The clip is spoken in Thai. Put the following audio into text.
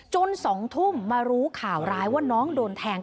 ๒ทุ่มมารู้ข่าวร้ายว่าน้องโดนแทง